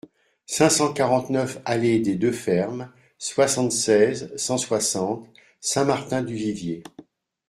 cinq cent quarante-neuf allée des Deux Fermes, soixante-seize, cent soixante, Saint-Martin-du-Vivier